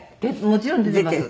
もちろん出ています。